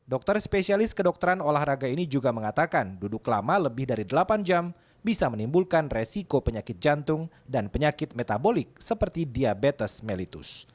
dokter spesialis kedokteran olahraga ini juga mengatakan duduk lama lebih dari delapan jam bisa menimbulkan resiko penyakit jantung dan penyakit metabolik seperti diabetes mellitus